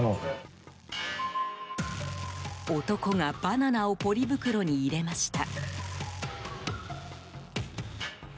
男がバナナをポリ袋に入れました。